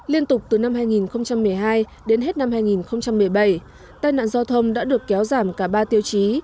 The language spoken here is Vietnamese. liên tục từ năm hai nghìn một mươi hai đến hết năm hai nghìn một mươi bảy tai nạn giao thông đã được kéo giảm cả ba tiêu chí